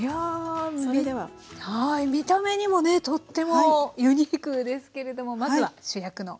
はい見た目にもねとってもユニークですけれどもまずは主役の。